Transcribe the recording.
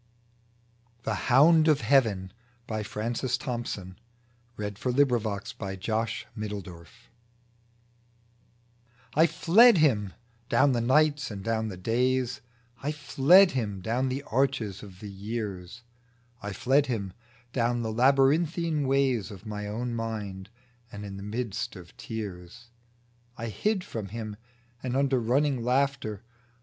sareth, but Thames 1 Francis Thompson THE HOUND OF HEAVEN I FLED Him, down the nights and down the days ; I fled Him, down the arches of the years; I fled Him, down the labyrinthine ways Of my own mind ; and in the mist of tears I hid from Him, and under running laughter.